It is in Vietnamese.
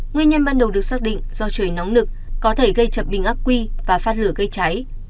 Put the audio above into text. nguyên nhân ban đầu được xác định do trời nóng nực có thể gây chập bình ác quy và phát lửa gây cháy